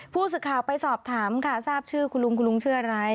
ผู้สื่อข่าวไปสอบถามค่ะทราบชื่อคุณลุงคุณลุงชื่ออะไร